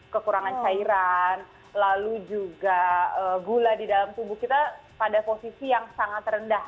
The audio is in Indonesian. kekurangan cairan lalu juga gula di dalam tubuh kita pada posisi yang sangat rendah